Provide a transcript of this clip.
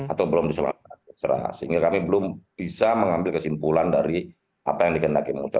atau belum diserah sehingga kami belum bisa mengambil kesimpulan dari apa yang dikendaki musra